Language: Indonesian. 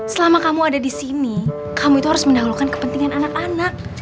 selama kamu ada di sini kamu itu harus mendahulukan kepentingan anak anak